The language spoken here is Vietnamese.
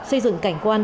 xây dựng cảnh quan